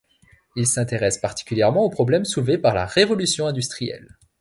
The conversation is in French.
Il s'intéresse particulièrement aux problèmes soulevés par la Révolution industrielle.